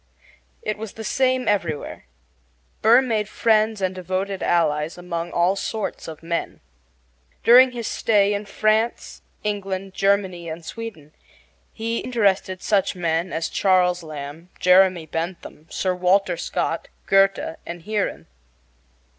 It was the same everywhere. Burr made friends and devoted allies among all sorts of men. During his stay in France, England, Germany, and Sweden he interested such men as Charles Lamb, Jeremy Bentham, Sir Walter Scott, Goethe, and Heeren.